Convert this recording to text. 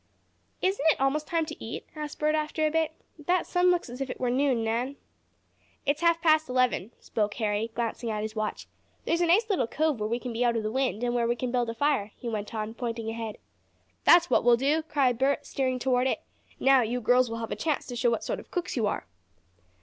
"Isn't it almost time to eat?" asked Bert after a bit. "That sun looks as if it were noon, Nan." "It's half past eleven," spoke Harry, glancing at his watch. "There's a nice little cove where we can be out of the wind, and where we can build a fire," he went on, pointing ahead. "That's what we'll do!" cried Bert, steering toward it. "Now you girls will have a chance to show what sort of cooks you are."